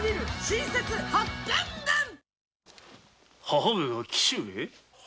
母上が紀州へ？